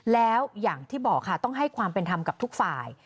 แล้วอย่างที่บอกค่ะต้องให้ความเป็นธรรมกับทุกฝ่าย